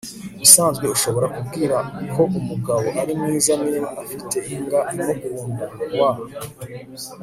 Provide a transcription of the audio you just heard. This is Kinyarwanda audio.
ubusanzwe ushobora kubwira ko umugabo ari mwiza niba afite imbwa imukunda - w